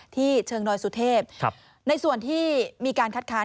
เชิงดอยสุเทพในส่วนที่มีการคัดค้าน